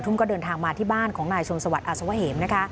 คุณก็เดินทางมาที่บ้านของนายชวนสวัสดิ์อาศวะเห็ม